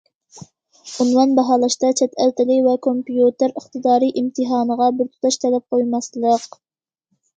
ئۇنۋان باھالاشتا چەت ئەل تىلى ۋە كومپيۇتېر ئىقتىدارى ئىمتىھانىغا بىرتۇتاش تەلەپ قويماسلىق.